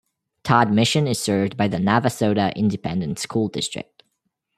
Todd Mission is served by the Navasota Independent School District.